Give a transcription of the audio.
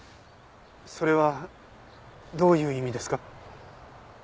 それはどういう意味ですか？